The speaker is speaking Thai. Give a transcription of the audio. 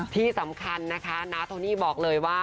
ที่สำคัญนะคะน้าโทนี่บอกเลยว่า